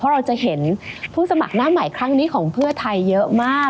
เราจะเห็นผู้สมัครหน้าใหม่ครั้งนี้ของเพื่อไทยเยอะมาก